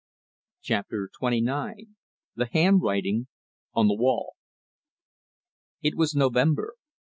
Chapter XXIX The Hand Writing on the Wall It was November.